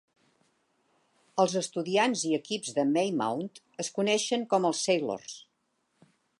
Els estudiants i equips de Maymount es coneixen com els "Sailors".